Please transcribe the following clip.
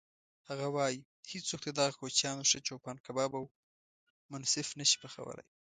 هغه وایي: هیڅوک تر دغو کوچیانو ښه چوپان کباب او منسف نه شي پخولی.